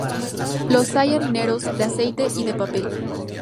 Los hay harineros, de aceite y de papel.